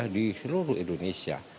di seluruh indonesia